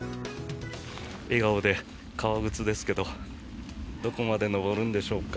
笑顔で、革靴ですけどどこまで登るんでしょうか。